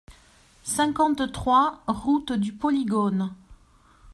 cinquante-trois route du Polygone